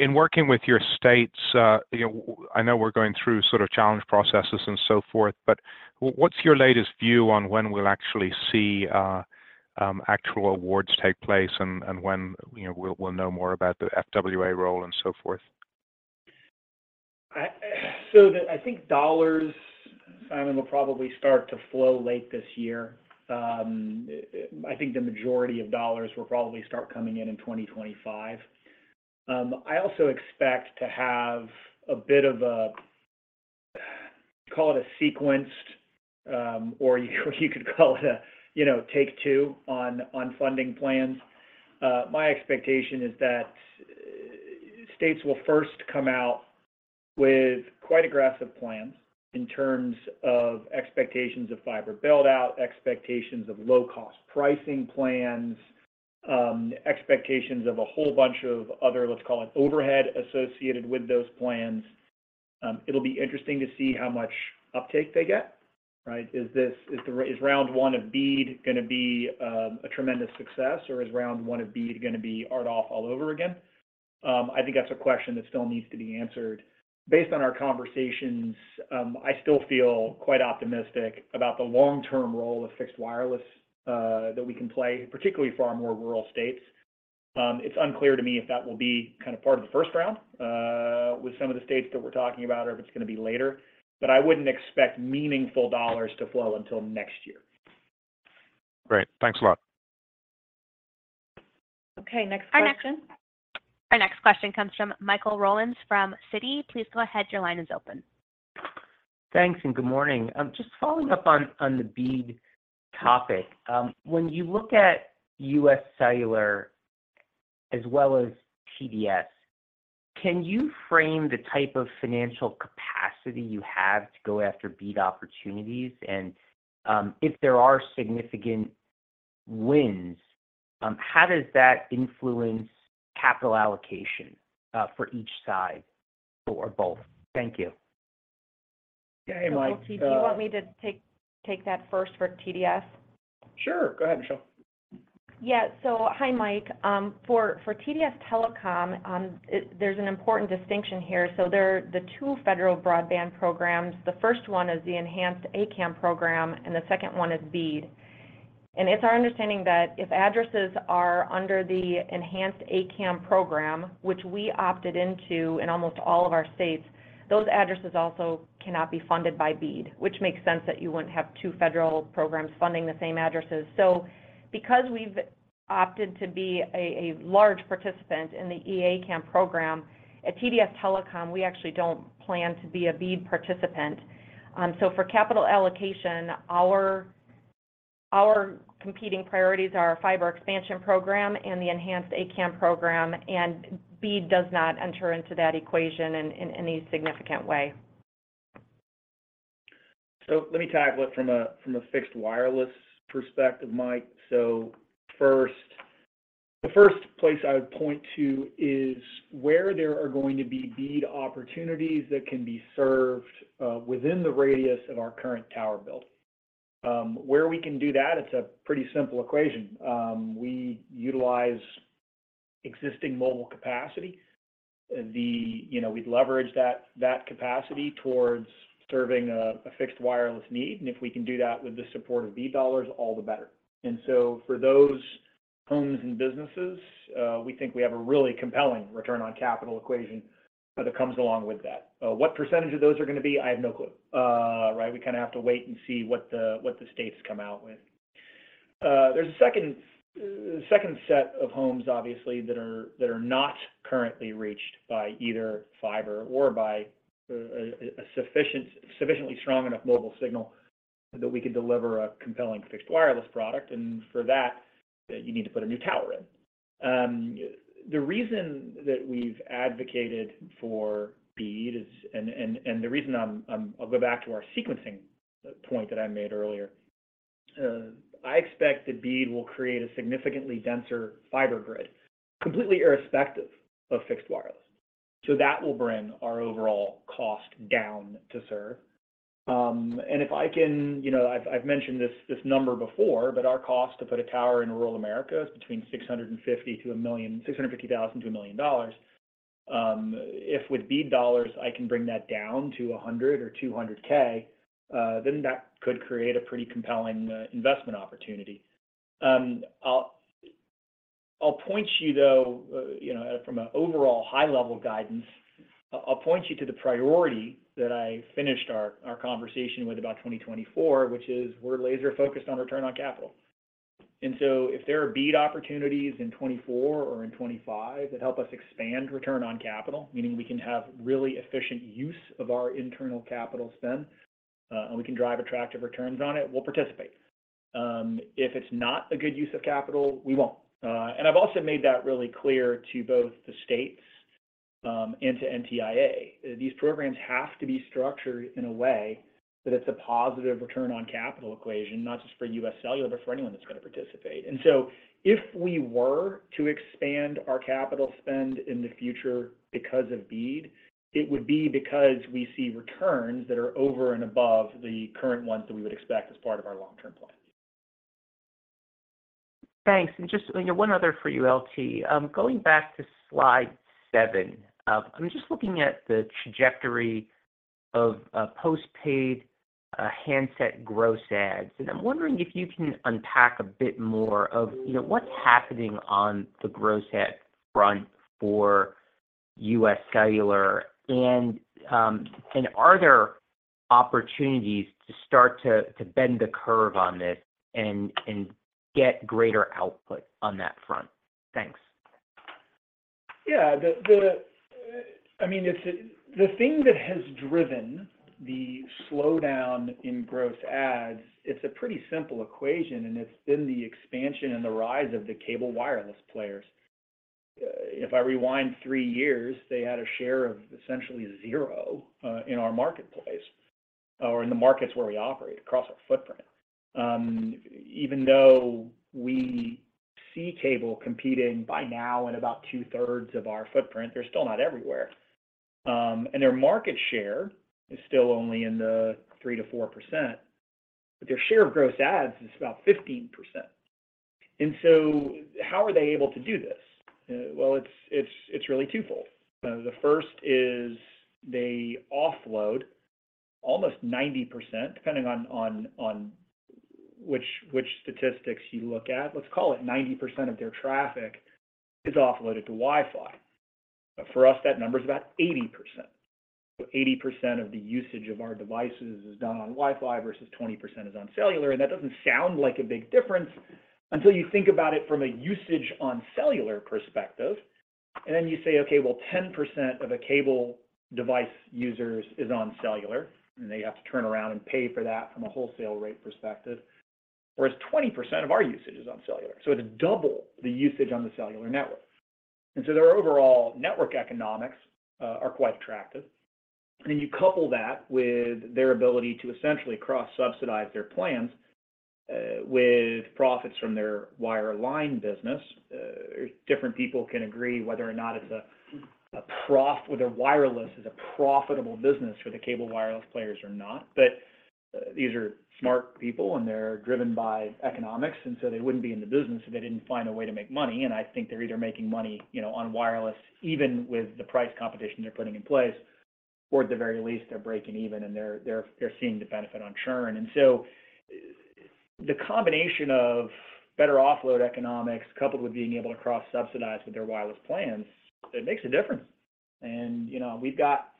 In working with your states, I know we're going through sort of challenge processes and so forth, but what's your latest view on when we'll actually see actual awards take place and when we'll know more about the FWA role and so forth? So I think dollars, Simon, will probably start to flow late this year. I think the majority of dollars will probably start coming in in 2025. I also expect to have a bit of a call it a sequenced, or you could call it a take-two on funding plans. My expectation is that states will first come out with quite aggressive plans in terms of expectations of fiber build-out, expectations of low-cost pricing plans, expectations of a whole bunch of other, let's call it, overhead associated with those plans. It'll be interesting to see how much uptake they get, right? Is round one of BEAD going to be a tremendous success, or is round one of BEAD going to be a RDOF all over again? I think that's a question that still needs to be answered. Based on our conversations, I still feel quite optimistic about the long-term role of fixed wireless that we can play, particularly for our more rural states. It's unclear to me if that will be kind of part of the first round with some of the states that we're talking about or if it's going to be later. But I wouldn't expect meaningful dollars to flow until next year. Great. Thanks a lot. Okay. Next question? Our next question comes from Michael Rollins from Citi. Please go ahead. Your line is open. Thanks and good morning. Just following up on the BEAD topic. When you look at UScellular as well as TDS, can you frame the type of financial capacity you have to go after BEAD opportunities? And if there are significant wins, how does that influence capital allocation for each side or both? Thank you. Yeah. Hey, Mike. LT, do you want me to take that first for TDS? Sure. Go ahead, Michelle. Yeah. So hi, Mike. For TDS Telecom, there's an important distinction here. So there are the two federal broadband programs. The first one is the Enhanced ACAM program, and the second one is BEAD. And it's our understanding that if addresses are under the Enhanced ACAM program, which we opted into in almost all of our states, those addresses also cannot be funded by BEAD, which makes sense that you wouldn't have two federal programs funding the same addresses. Because we've opted to be a large participant in the EACAM program at TDS Telecom, we actually don't plan to be a BEAD participant. For capital allocation, our competing priorities are our fiber expansion program and the enhanced ACAM program. BEAD does not enter into that equation in any significant way. Let me tag with from a fixed wireless perspective, Mike. The first place I would point to is where there are going to be BEAD opportunities that can be served within the radius of our current tower build. Where we can do that, it's a pretty simple equation. We utilize existing mobile capacity. We'd leverage that capacity towards serving a fixed wireless need. And if we can do that with the support of BEAD dollars, all the better. And so for those homes and businesses, we think we have a really compelling return on capital equation that comes along with that. What percentage of those are going to be? I have no clue, right? We kind of have to wait and see what the states come out with. There's a second set of homes, obviously, that are not currently reached by either fiber or by a sufficiently strong enough mobile signal that we could deliver a compelling fixed wireless product. And for that, you need to put a new tower in. The reason that we've advocated for BEAD is, and the reason I'll go back to our sequencing point that I made earlier. I expect that BEAD will create a significantly denser fiber grid, completely irrespective of fixed wireless. So that will bring our overall cost down to serve. If I can, I've mentioned this number before, but our cost to put a tower in rural America is between $650,000 to $1 million. If with BEAD dollars, I can bring that down to $100,000 or $200,000, then that could create a pretty compelling investment opportunity. I'll point you, though, from an overall high-level guidance, I'll point you to the priority that I finished our conversation with about 2024, which is we're laser-focused on return on capital. And so if there are BEAD opportunities in 2024 or in 2025 that help us expand return on capital, meaning we can have really efficient use of our internal capital spend and we can drive attractive returns on it, we'll participate. If it's not a good use of capital, we won't. And I've also made that really clear to both the states and to NTIA. These programs have to be structured in a way that it's a positive return on capital equation, not just for UScellular, but for anyone that's going to participate. And so if we were to expand our capital spend in the future because of BEAD, it would be because we see returns that are over and above the current ones that we would expect as part of our long-term plan. Thanks. And just one other for you, LT. Going back to slide seven, I'm just looking at the trajectory of postpaid handset gross adds. And I'm wondering if you can unpack a bit more of what's happening on the gross add front for UScellular, and are there opportunities to start to bend the curve on this and get greater output on that front? Thanks. Yeah. I mean, the thing that has driven the slowdown in gross adds. It's a pretty simple equation, and it's been the expansion and the rise of the cable wireless players. If I rewind 3 years, they had a share of essentially zero in our marketplace or in the markets where we operate across our footprint. Even though we see cable competing by now in about two-thirds of our footprint, they're still not everywhere. Their market share is still only in the 3%-4%, but their share of gross adds is about 15%. So how are they able to do this? Well, it's really twofold. The first is they offload almost 90%, depending on which statistics you look at. Let's call it 90% of their traffic is offloaded to Wi-Fi. For us, that number is about 80%. So 80% of the usage of our devices is done on Wi-Fi versus 20% is on cellular. And that doesn't sound like a big difference until you think about it from a usage-on-cellular perspective. And then you say, "Okay. Well, 10% of a cable device users is on cellular, and they have to turn around and pay for that from a wholesale rate perspective." Whereas 20% of our usage is on cellular. So it's double the usage on the cellular network. And so their overall network economics are quite attractive. And then you couple that with their ability to essentially cross-subsidize their plans with profits from their wireline business. Different people can disagree whether or not wireless is a profitable business for the cable wireless players or not. But these are smart people, and they're driven by economics. They wouldn't be in the business if they didn't find a way to make money. I think they're either making money on wireless even with the price competition they're putting in place, or at the very least, they're breaking even, and they're seeing the benefit on churn. The combination of better offload economics coupled with being able to cross-subsidize with their wireless plans, it makes a difference. We've got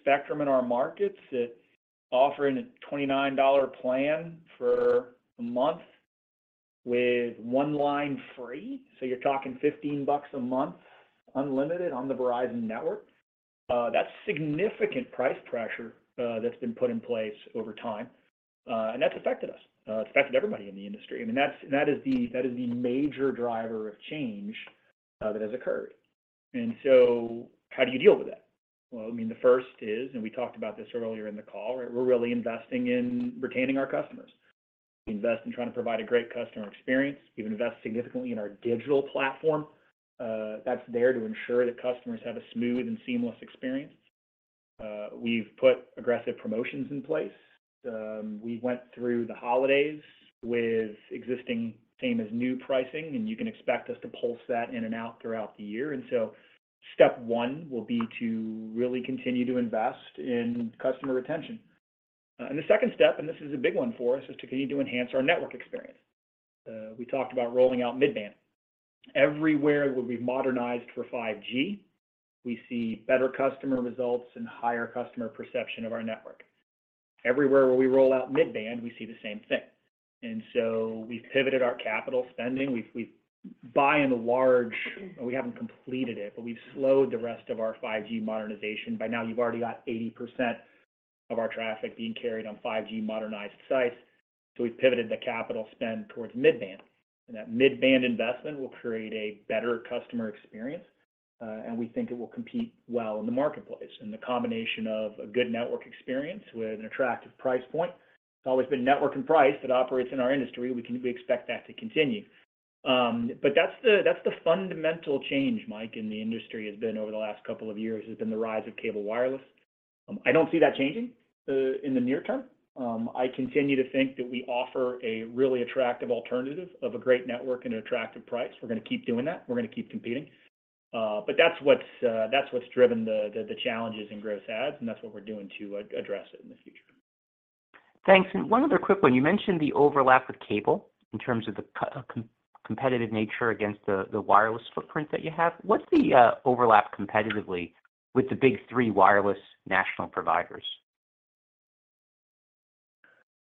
spectrum in our markets that offering a $29 plan for a month with one line free, so you're talking $15 a month unlimited on the Verizon network, that's significant price pressure that's been put in place over time. That's affected us. It's affected everybody in the industry. I mean, that is the major driver of change that has occurred. How do you deal with that? Well, I mean, the first is, and we talked about this earlier in the call, right, we're really investing in retaining our customers. We invest in trying to provide a great customer experience. We've invested significantly in our digital platform that's there to ensure that customers have a smooth and seamless experience. We've put aggressive promotions in place. We went through the holidays with existing same-as-new pricing, and you can expect us to pulse that in and out throughout the year. And so step one will be to really continue to invest in customer retention. And the second step, and this is a big one for us, is to continue to enhance our network experience. We talked about rolling out mid-band. Everywhere where we've modernized for 5G, we see better customer results and higher customer perception of our network. Everywhere where we roll out mid-band, we see the same thing. And so we've pivoted our capital spending. We bought in a large we haven't completed it, but we've slowed the rest of our 5G modernization. By now, you've already got 80% of our traffic being carried on 5G modernized sites. So we've pivoted the capital spend towards mid-band. And that mid-band investment will create a better customer experience, and we think it will compete well in the marketplace. And the combination of a good network experience with an attractive price point, it's always been network and price that operates in our industry. We expect that to continue. But that's the fundamental change, Mike, in the industry has been over the last couple of years has been the rise of cable wireless. I don't see that changing in the near term. I continue to think that we offer a really attractive alternative of a great network and an attractive price. We're going to keep doing that. We're going to keep competing. But that's what's driven the challenges in gross adds, and that's what we're doing to address it in the future. Thanks. And one other quick one. You mentioned the overlap with cable in terms of the competitive nature against the wireless footprint that you have. What's the overlap competitively with the big three wireless national providers?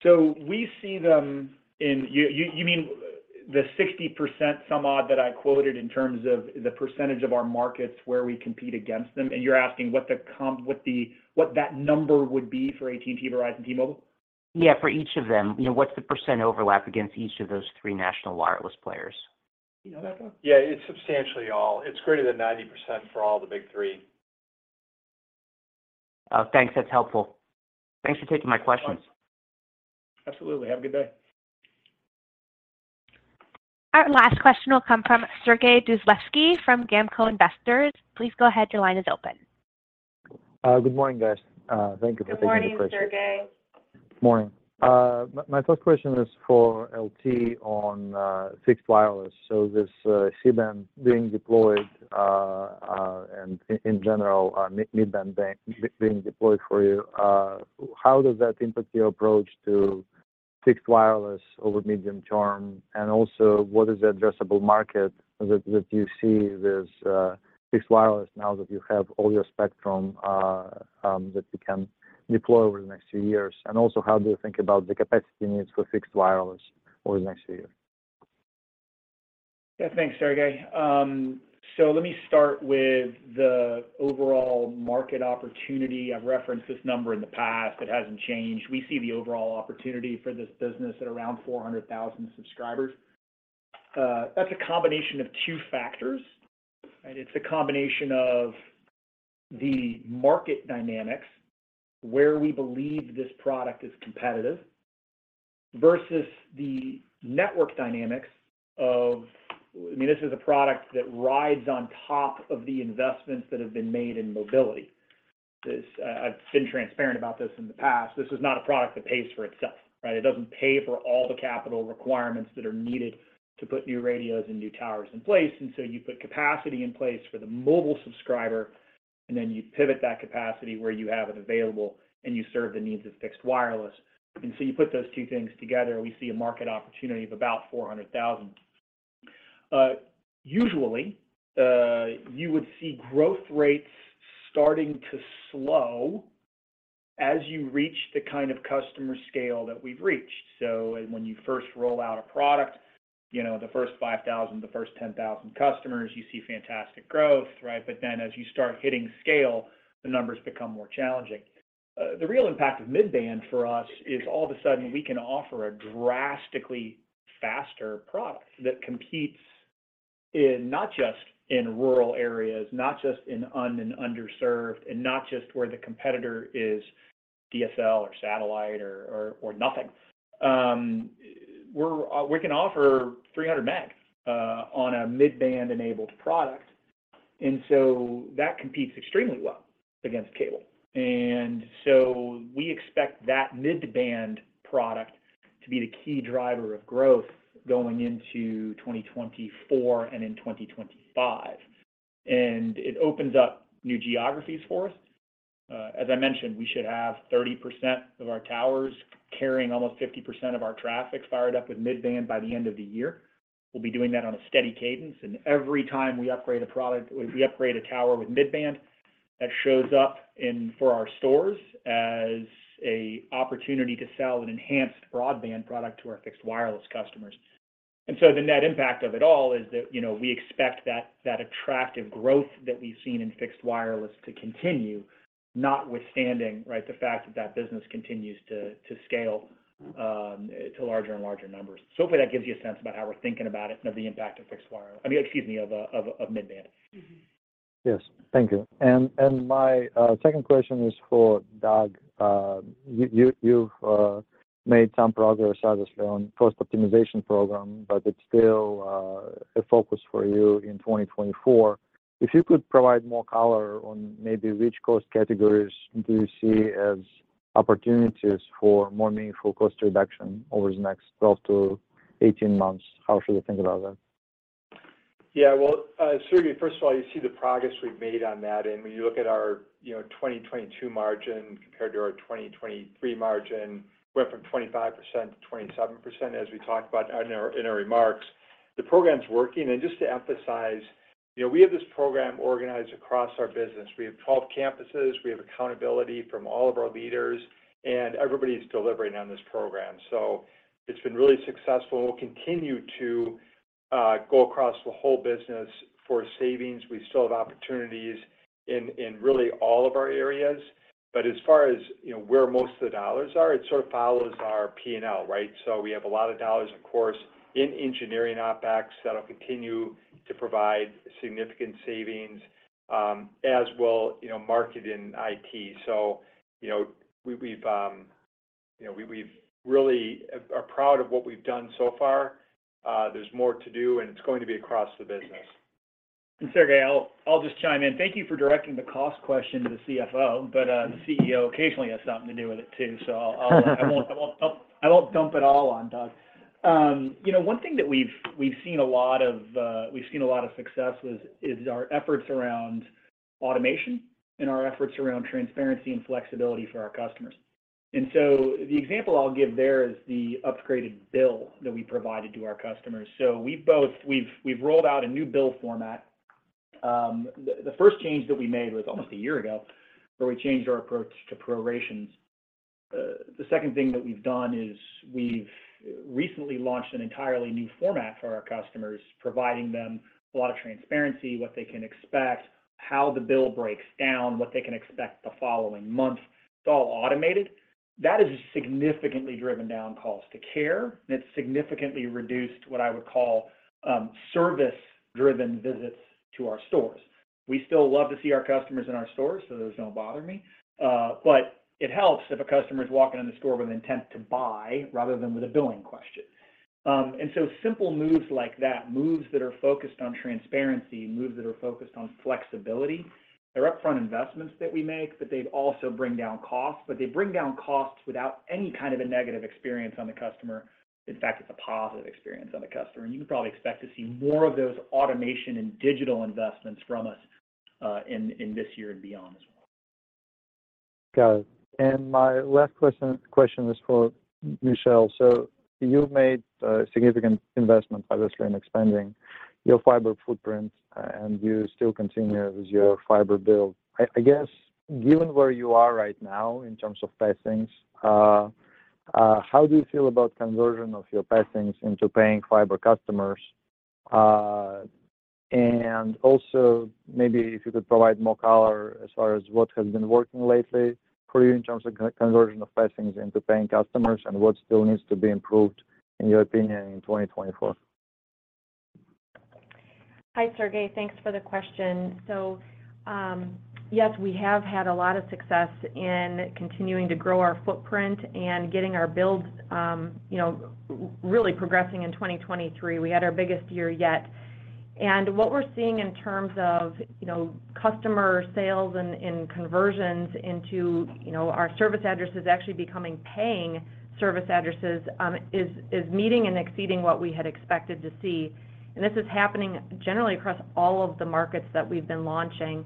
So we see them in—you mean the 60% some odd that I quoted in terms of the percentage of our markets where we compete against them? And you're asking what that number would be for AT&T, Verizon, T-Mobile? Yeah. For each of them. What's the percent overlap against each of those three national wireless players? You know that one? Yeah. It's substantially all. It's greater than 90% for all the big three. Oh, thanks. That's helpful. Thanks for taking my questions. Absolutely. Have a good day. Our last question will come from Sergey Dluzhevskiy from GAMCO Investors. Please go ahead. Your line is open. Good morning, guys. Thank you for taking the question. Good morning, Sergey. Morning. My first question is for LT on fixed wireless. So this C-band being deployed and, in general, mid-band being deployed for you, how does that impact your approach to fixed wireless over medium-term? And also, what is the addressable market that you see with fixed wireless now that you have all your spectrum that you can deploy over the next few years? And also, how do you think about the capacity needs for fixed wireless over the next few years? Yeah. Thanks, Sergey. So let me start with the overall market opportunity. I've referenced this number in the past. It hasn't changed. We see the overall opportunity for this business at around 400,000 subscribers. That's a combination of two factors, right? It's a combination of the market dynamics, where we believe this product is competitive, versus the network dynamics of. I mean, this is a product that rides on top of the investments that have been made in mobility. I've been transparent about this in the past. This is not a product that pays for itself, right? It doesn't pay for all the capital requirements that are needed to put new radios and new towers in place. And so you put capacity in place for the mobile subscriber, and then you pivot that capacity where you have it available, and you serve the needs of fixed wireless. And so you put those two things together. We see a market opportunity of about 400,000. Usually, you would see growth rates starting to slow as you reach the kind of customer scale that we've reached. So when you first roll out a product, the first 5,000, the first 10,000 customers, you see fantastic growth, right? But then as you start hitting scale, the numbers become more challenging. The real impact of mid-band for us is all of a sudden, we can offer a drastically faster product that competes not just in rural areas, not just in un- and underserved, and not just where the competitor is DSL or satellite or nothing. We can offer 300Mb on a mid-band-enabled product. And so that competes extremely well against cable. And so we expect that mid-band product to be the key driver of growth going into 2024 and in 2025. And it opens up new geographies for us. As I mentioned, we should have 30% of our towers carrying almost 50% of our traffic fired up with mid-band by the end of the year. We'll be doing that on a steady cadence. And every time we upgrade a product we upgrade a tower with mid-band that shows up for our stores as an opportunity to sell an enhanced broadband product to our fixed wireless customers. And so the net impact of it all is that we expect that attractive growth that we've seen in fixed wireless to continue, notwithstanding, right, the fact that that business continues to scale to larger and larger numbers. So hopefully, that gives you a sense about how we're thinking about it and of the impact of fixed wireless I mean, excuse me, of mid-band. Yes. Thank you. And my second question is for Doug. You've made some progress, obviously, on cost optimization program, but it's still a focus for you in 2024. If you could provide more color on maybe which cost categories do you see as opportunities for more meaningful cost reduction over the next 12 to 18 months? How should we think about that? Yeah. Well, Sergey, first of all, you see the progress we've made on that. And when you look at our 2022 margin compared to our 2023 margin, we went from 25%-27%, as we talked about in our remarks. The program's working. And just to emphasize, we have this program organized across our business. We have 12 campuses. We have accountability from all of our leaders, and everybody's delivering on this program. So it's been really successful, and we'll continue to go across the whole business for savings. We still have opportunities in really all of our areas. But as far as where most of the dollars are, it sort of follows our P&L, right? So we have a lot of dollars, of course, in engineering OpEx that'll continue to provide significant savings as will marketing and IT. So we're really proud of what we've done so far. There's more to do, and it's going to be across the business. And Sergey, I'll just chime in. Thank you for directing the cost question to the CFO, but the CEO occasionally has something to do with it too. So I won't dump it all on Doug. One thing that we've seen a lot of success with is our efforts around automation and our efforts around transparency and flexibility for our customers. And so the example I'll give there is the upgraded bill that we provided to our customers. So we've rolled out a new bill format. The first change that we made was almost a year ago where we changed our approach to prorations. The second thing that we've done is we've recently launched an entirely new format for our customers, providing them a lot of transparency, what they can expect, how the bill breaks down, what they can expect the following month. It's all automated. That has significantly driven down cost to care, and it's significantly reduced what I would call service-driven visits to our stores. We still love to see our customers in our stores, so those don't bother me. But it helps if a customer's walking in the store with an intent to buy rather than with a billing question. And so simple moves like that, moves that are focused on transparency, moves that are focused on flexibility, they're upfront investments that we make, but they also bring down costs. But they bring down costs without any kind of a negative experience on the customer. In fact, it's a positive experience on the customer. And you can probably expect to see more of those automation and digital investments from us in this year and beyond as well. Got it. My last question is for Michelle. So you've made significant investments, obviously, in expanding your fiber footprint, and you still continue with your fiber build. I guess, given where you are right now in terms of passings, how do you feel about conversion of your passings into paying fiber customers? And also, maybe if you could provide more color as far as what has been working lately for you in terms of conversion of passings into paying customers and what still needs to be improved, in your opinion, in 2024? Hi, Sergey. Thanks for the question. So yes, we have had a lot of success in continuing to grow our footprint and getting our builds really progressing in 2023. We had our biggest year yet. What we're seeing in terms of customer sales and conversions into our service addresses actually becoming paying service addresses is meeting and exceeding what we had expected to see. This is happening generally across all of the markets that we've been launching.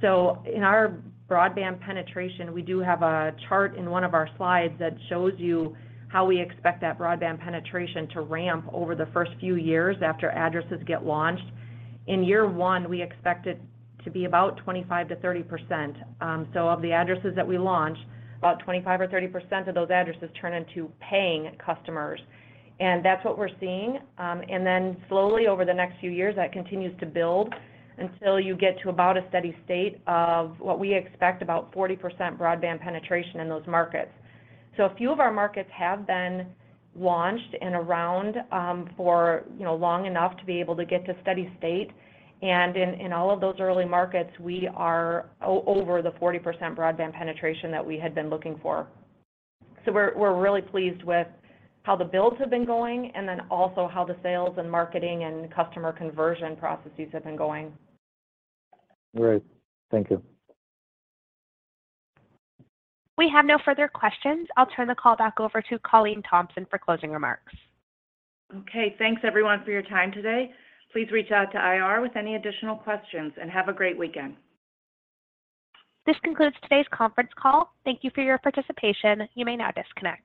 So in our broadband penetration, we do have a chart in one of our slides that shows you how we expect that broadband penetration to ramp over the first few years after addresses get launched. In year one, we expect it to be about 25%-30%. So of the addresses that we launch, about 25% or 30% of those addresses turn into paying customers. That's what we're seeing. And then slowly, over the next few years, that continues to build until you get to about a steady state of what we expect, about 40% broadband penetration in those markets. So a few of our markets have been launched and around for long enough to be able to get to steady state. And in all of those early markets, we are over the 40% broadband penetration that we had been looking for. So we're really pleased with how the bills have been going and then also how the sales and marketing and customer conversion processes have been going. Great. Thank you. We have no further questions. I'll turn the call back over to Colleen Thompson for closing remarks. Okay. Thanks, everyone, for your time today. Please reach out to IR with any additional questions, and have a great weekend. This concludes today's conference call. Thank you for your participation. You may now disconnect.